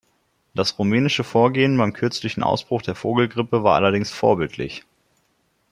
Das rumänische Vorgehen beim kürzlichen Ausbruch der Vogelgrippe war allerdings vorbildlich.